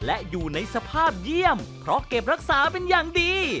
และอยู่ในสภาพเยี่ยมเพราะเก็บรักษาเป็นอย่างดี